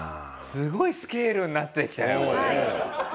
すごいスケールになってきたよ